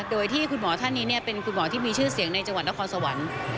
โดยที่คุณหมอท่านนี่เนี่ยเป็นกลุ่มและที่มีชื่อเสียงในจังหวันเราขอสวรรค์